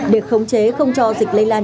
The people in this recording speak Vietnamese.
để khống chế không cho dịch lây lan